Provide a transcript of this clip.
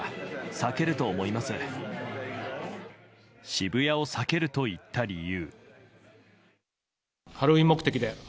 渋谷を避けると言った理由。